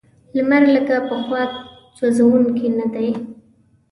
لمر لکه پخوا سوځونکی نه دی.